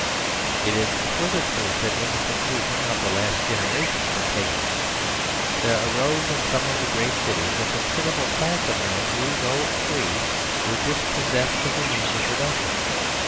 It is further true that in the confusion of the last generations of Paganism there arose in some of the great cities a considerable class of men who, though free, were dispossessed of the means of production.